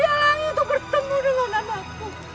dia lagi itu bertemu dengan anakku